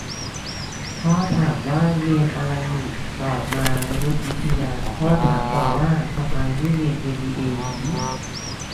พ่อถามว่า เรียนอะไรอยู่ ตอบ มานุษยวิทยา พ่อถามต่อว่า ทำไมไม่เรียนเอ็มบีเอ ? อืมมม